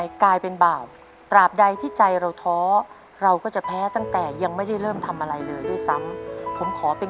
อยากให้เขาหมดนี้หมดสิน